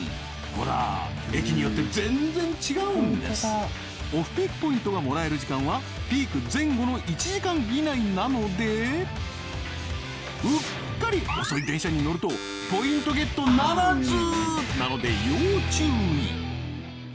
ほら駅によって全然違うんですオフピークポイントがもらえる時間はピーク前後の１時間以内なのでうっかり遅い電車に乗るとポイントゲットならず！